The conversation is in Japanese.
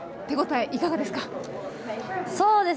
手応え、いかがですか？